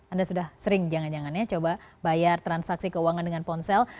anda sudah sering jangan jangan ya coba bayar transaksi keuangan dengan ponsel